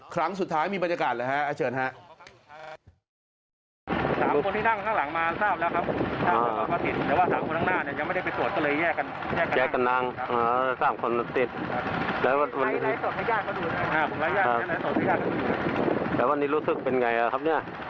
ครั้งสุดท้ายมีบรรยากาศเลยฮะเชิญครับ